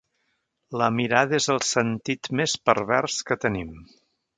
La mirada és el sentit més pervers que tenim.